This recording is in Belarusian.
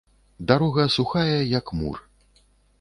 Дарога сухая, як мур.